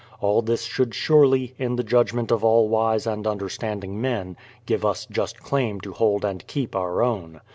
All this should surely, in the judgment of all wise and understanding men, give us just claim to hold and keep our own.